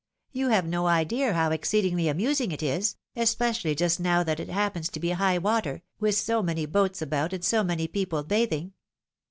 You have no idea how exceedingly amusing it is, especially just now that it happens to be high water, with so many boats about and so many people bathing!